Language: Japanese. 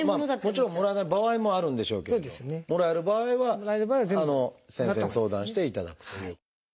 もちろんもらえない場合もあるんでしょうけれどもらえる場合は先生に相談して頂くという。